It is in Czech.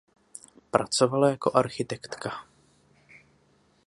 Pracovala jako architektka.